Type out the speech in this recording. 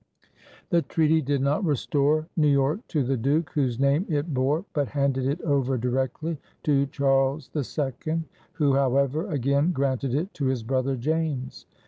The treaty did not restore New York to the Duke whose name it bore but handed it over directly to Charles II, who, however, again granted it to his brother James.